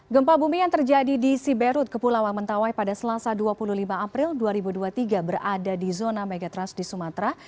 gempa bumi yang terjadi di siberut kepulauan mentawai pada selasa dua puluh lima april dua ribu dua puluh tiga berada di zona megatrust di sumatera